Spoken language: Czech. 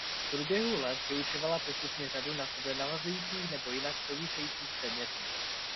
V průběhu let vyučovala postupně řadu na sebe navazujících nebo jinak souvisejících předmětů.